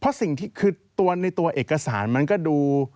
เพราะสิ่งที่คือตัวในตัวเอกสารมันก็ดู